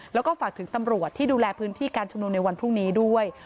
แล้วก็ฝากถึงตำรวจที่ดูแลพื้นที่การชุมนุมในวันพรุ่งนี้ด้วย